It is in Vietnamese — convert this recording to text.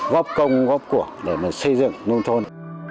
góp công góp cuộc để mà xây dựng nông thôn